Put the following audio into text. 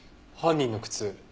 犯人の靴。